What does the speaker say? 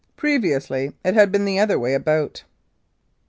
Previously it had been the other way about.